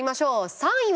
３位は。